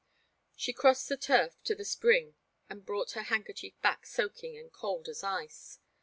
She crossed the turf to the spring and brought her handkerchief back soaking and cold as ice.